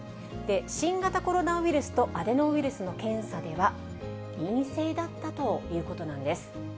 新型コロナウイルスとアデノウイルスの検査では、陰性だったということなんです。